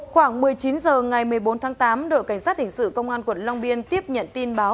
khoảng một mươi chín h ngày một mươi bốn tháng tám đội cảnh sát hình sự công an quận long biên tiếp nhận tin báo